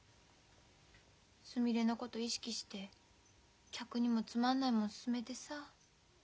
すみれのこと意識して客にもつまんないもん勧めてさ。